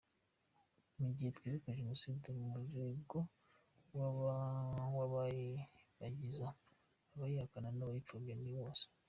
Mu gihe twibuka Jenoside, umurego w’abayibagiza, abayihakana n’abayipfobya ni wose.